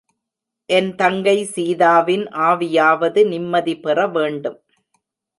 என் தங்கை சீதாவின் ஆவியாவது நிம்மதிபெற வேண்டும்.